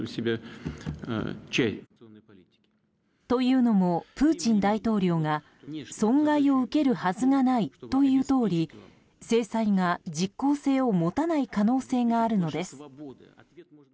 というのもプーチン大統領が損害を受けるはずがないと言うとおり制裁が実効性を持たない可能性があるのです。